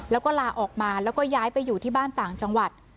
แล้วก็ลาออกมาแล้วก็ย้ายไปอยู่ที่บ้านต่างจังหวัด